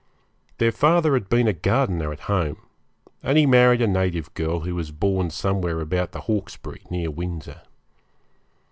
Their father had been a gardener at home, and he married a native girl who was born somewhere about the Hawkesbury, near Windsor.